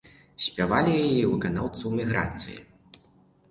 Спявалі яе і выканаўцы ў эміграцыі.